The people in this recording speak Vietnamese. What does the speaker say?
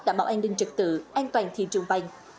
đảm bảo an ninh trực tự an toàn thị trường vàng